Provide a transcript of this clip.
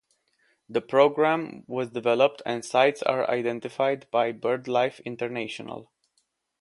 The program was developed and sites are identified by BirdLife International.